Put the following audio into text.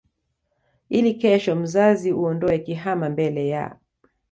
ili kesho mzazi uondoe kihama mbele ya